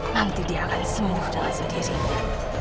nanti dia akan sembuh dengan sendirinya